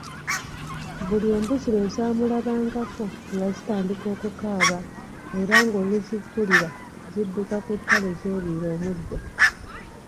Buli embuzi lwe zaamulabangako nga zitandika okukaaba era ng’oluziggulira zidduka ku ttale zeeriire omuddo.